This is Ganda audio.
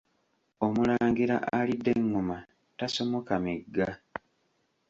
Omulangira alidde engoma tasomoka migga.